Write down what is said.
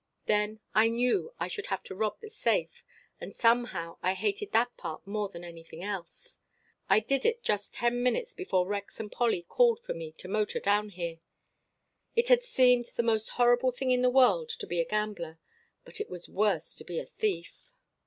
Then I knew I should have to rob the safe, and somehow I hated that part more than anything else. I did it just ten minutes before Rex and Polly called for me to motor down here. It had seemed the most horrible thing in the world to be a gambler, but it was worse to be a thief.